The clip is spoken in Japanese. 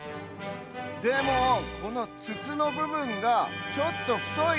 でもこのつつのぶぶんがちょっとふとい？